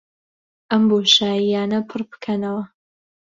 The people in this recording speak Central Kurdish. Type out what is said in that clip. ئەم بۆشایییانە پڕ بکەنەوە